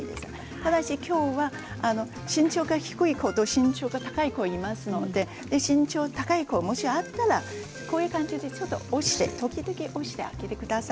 ただし、きょうは身長が低い子と高い子がいますので高い子がもしあったらこれからちょっと押して時々押して上げてください。